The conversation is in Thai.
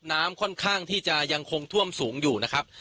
น้ำค่อนข้างที่จะยังคงท่วมสูงอยู่นะครับ